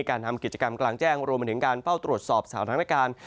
การทำกิจกรรมกลางแจ้งรวมไปถึงการเฝ้าตรวจสอบสถานการณ์